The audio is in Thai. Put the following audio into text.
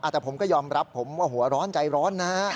แต่ผมก็ยอมรับผมว่าหัวร้อนใจร้อนนะฮะ